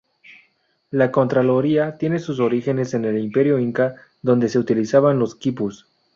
La Contraloría tiene sus orígenes en el Imperio inca, donde se utilizaban los quipus.